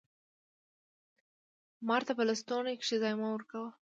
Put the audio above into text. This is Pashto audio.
مار ته په لستوڼي کښي ځای مه ورکوه